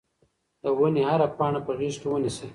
د ونې هره پاڼه په غېږ کې ونیسئ.